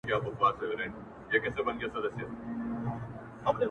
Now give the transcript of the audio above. o د اوبو نه کوچ اوباسي٫